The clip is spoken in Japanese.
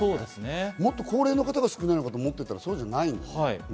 もっと高齢の方が少ないのかと思ってたら、そうじゃないんだ。